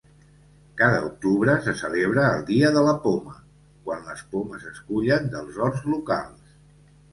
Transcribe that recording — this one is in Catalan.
Cada octubre se celebra el "Dia de la Poma" quan les pomes es cullen dels horts locals.